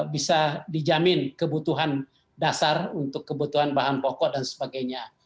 bisa dijamin kebutuhan dasar untuk kebutuhan bahan pokok dan sebagainya